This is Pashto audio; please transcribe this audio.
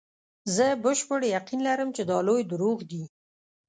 زه بشپړ یقین لرم چې دا لوی دروغ دي.